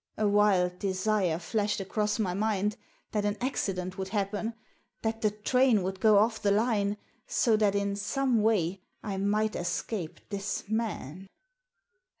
A wild desire flashed across my mind that an accident \yould happen, that the train would go off* the line, so that in some way I might escape this man.